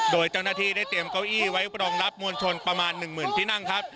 โดยเจ้าหน้าที่ได้เตรียมเก้าอี้ไว้รองรับมวลชนประมาณ๑๐๐๐ที่นั่งครับ